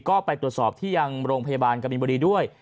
ก็ไปตรวจสอบที่ยังโรงพยาบาลกบินบุรีด้วย